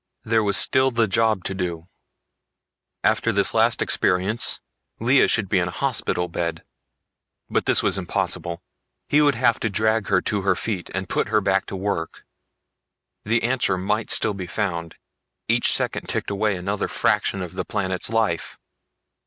There was still the job to do. After this last experience Lea should be in a hospital bed. But this was impossible. He would have to drag her to her feet and put her back to work. The answer might still be found. Each second ticked away another fraction of the planet's life.